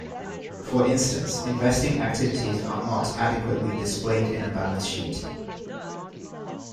For instance, investing activities are not adequately displayed in a balance sheet.